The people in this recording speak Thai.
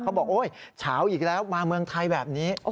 บอกโอ๊ยเฉาอีกแล้วมาเมืองไทยแบบนี้